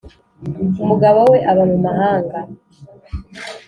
umugabo we aba mu mahanga